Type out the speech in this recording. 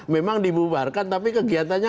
memang dibubarkan tapi kegiatannya